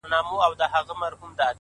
حوصله د سختو حالاتو رڼا ده,